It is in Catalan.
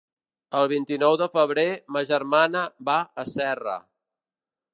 El vint-i-nou de febrer ma germana va a Serra.